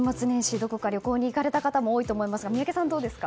どこか旅行に行かれた方も多いと思いますが宮家さん、どうですか？